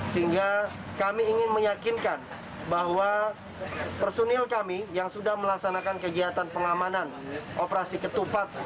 sehingga kami ingin meyakinkan bahwa personil kami yang sudah melaksanakan kegiatan pengamanan operasi ketupat